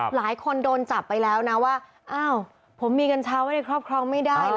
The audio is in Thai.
หลายคนโดนจับไปแล้วนะว่าอ้าวผมมีกัญชาไว้ในครอบครองไม่ได้เหรอ